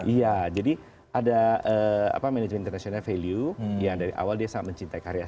iya jadi ada manajemen internasional value yang dari awal dia sangat mencintai karya